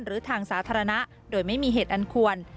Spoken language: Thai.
หรือทางสาธารณะโดยไม่มีเหตุอันควร